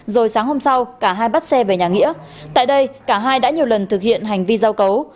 rồi sáng hôm sau cả hai bắt xe về nhà nghĩa tại đây cả hai đã nhiều lần thực hiện hành vi giao cấu